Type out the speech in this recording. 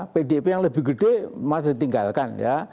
pdip yang lebih gede masih ditinggalkan ya